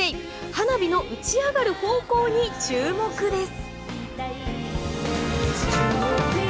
花火の打ち上がる方向に注目です。